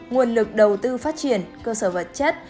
nguồn lực đầu tư phát triển cơ sở vật chất